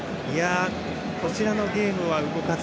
こちらのゲームは動かず。